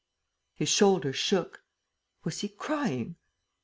His shoulders shook. Was he crying?